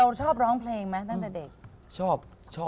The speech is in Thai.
ชอบร้องเพลงไหมตั้งแต่เด็กชอบ